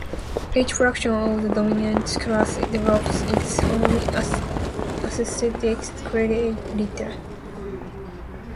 Each fraction of the dominant class develops its own aesthetic criteria.